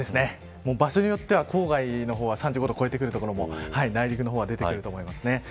場所によっては郊外は３５度を超えてくる所も内陸の方は出てくると思います。